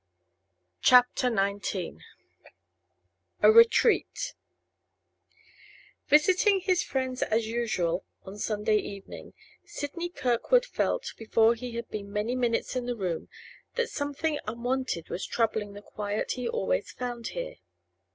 CHAPTER XIX A RETREAT Visiting his friends as usual on Sunday evening, Sidney Kirkwood felt, before he had been many minutes in the room, that something unwonted was troubling the quiet he always found here.